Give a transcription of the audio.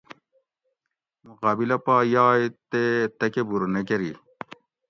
مُقابِلہ پا یائ تے تکبُر نہ کٞری